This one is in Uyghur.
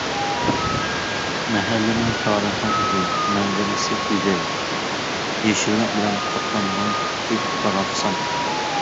مەھەللىنىڭ تارىخى ئۇزۇن، مەنزىرىسى گۈزەل، يېشىللىق بىلەن قاپلانغان، بۈك-باراقسان.